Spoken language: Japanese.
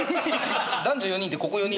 男女４人ってここ４人。